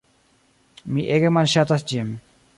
Mi ege malŝatas ĝin.